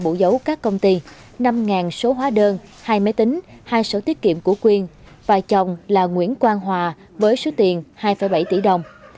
bộ dấu các công ty năm số hóa đơn hai máy tính hai sổ tiết kiệm của quyên và chồng là nguyễn quang hòa với số tiền hai bảy tỷ đồng